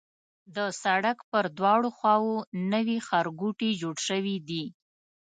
د سړک پر دواړو خواوو نوي ښارګوټي جوړ شوي دي.